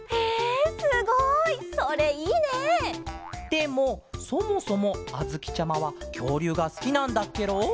でもそもそもあづきちゃまはきょうりゅうがすきなんだっケロ？